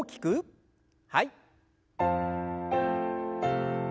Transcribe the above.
はい。